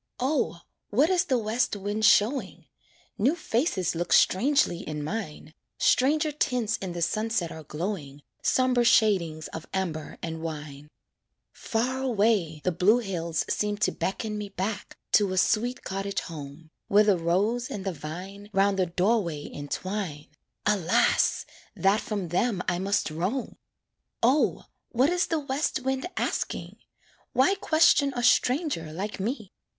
O! what is the west wind showing? New faces look strangely in mine, Stranger tints in the sunset are glowing, Somber shadings of amber and wine. Far away the blue hills seem to beckon Me back to a sweet cottage home, Where the rose and the vine 'Round the door way entwine Alas! that from them I must roam! O! what is the west wind asking? Why question a stranger like me?